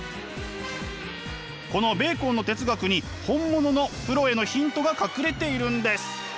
このベーコンの哲学に本物のプロへのヒントが隠れているんです。